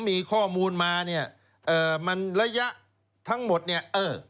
มีข้อมูลมาเนี่ยเอ่อมันระยะทั้งหมดเนี่ยเออ